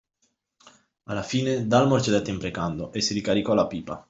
Alla fine, Dalmor cedette imprecando, e si ricaricò la pipa.